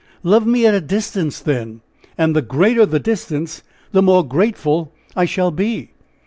"Love me at a distance, then! and the greater the distance, the more grateful I shall be!"